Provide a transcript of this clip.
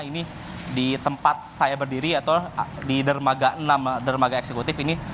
ini di tempat saya berdiri atau di dermaga enam dermaga eksekutif ini